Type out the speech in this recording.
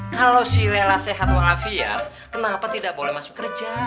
kalau si lela sehat walafiat kenapa tidak boleh masuk kerja